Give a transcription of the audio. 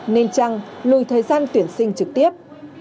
nên chăng lùi thời gian tuyển sinh trực tiếp